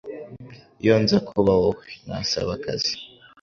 Iyo nza kuba wowe, nasaba akazi.